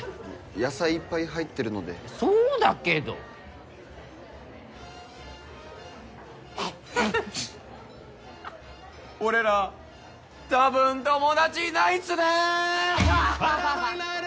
野菜いっぱい入ってるのでそうだけど俺ら多分友達いないんすね